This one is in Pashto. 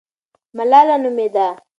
ملاله نومېده.